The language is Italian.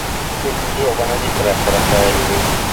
Fu il più giovane di tre fratelli.